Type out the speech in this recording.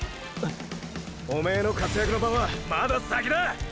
っ⁉おめぇの活躍の場はまだ先だァ！！